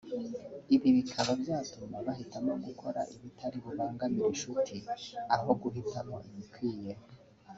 ibi bikaba byatuma bahitamo gukora ibitari bubangamire inshuti aho guhitamo ibikwiye